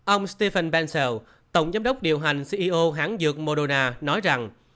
ông stephen bensel tổng giám đốc điều hành ceo hãng dược moderna nói rằng